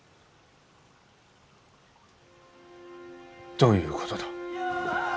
どういうことだ？